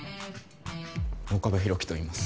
岡部拡輝といいます。